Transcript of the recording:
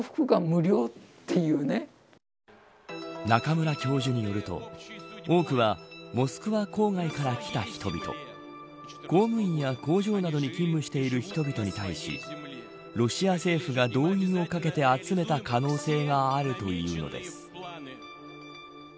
中村教授によると多くはモスクワ郊外から来た人々公務員や工場などに勤務している人々に対しロシア政府が動員をかけて集めた可能性があるというのです。